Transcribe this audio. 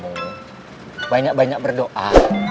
kamu banyak banyak berdoa